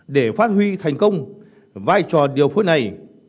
để phát huy thành công vai trò điều phối này